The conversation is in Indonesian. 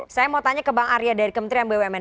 saya mau tanya ke bang arya dari kementerian bumn